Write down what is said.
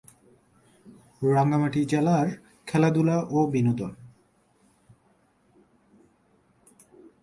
রাঙ্গামাটি জেলার খেলাধূলা ও বিনোদন